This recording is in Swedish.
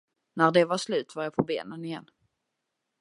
När det var slut, var jag på benen igen.